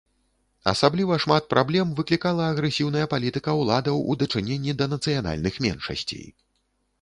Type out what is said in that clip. Асабліва шмат праблем выклікала агрэсіўная палітыка ўладаў у дачыненні да нацыянальных меншасцей.